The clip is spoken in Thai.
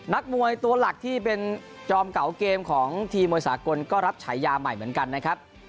นักมวยตัวหลักที่เป็นจอมเก่าเกมของทีมมวยสากลก็รับฉายาใหม่เหมือนกันนะครับ